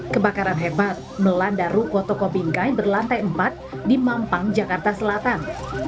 kebakaran hebat melanda ruko toko bingkai berlantai empat di mampang jakarta selatan